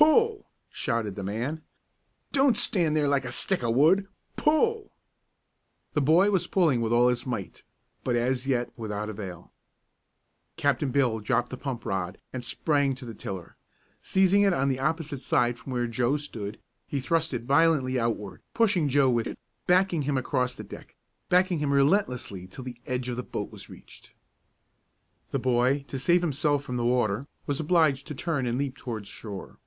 "Pull!" shouted the man. "Don't stand there like a stick o' wood. Pull!" The boy was pulling with all his might, but as yet without avail. Captain Bill dropped the pump rod and sprang to the tiller. Seizing it on the opposite side from where Joe stood, he thrust it violently outward, pushing Joe with it, backing him across the deck, backing him relentlessly till the edge of the boat was reached. The boy to save himself from the water was obliged to turn and leap toward shore.